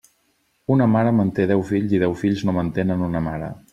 Una mare manté deu fills i deu fills no mantenen una mare.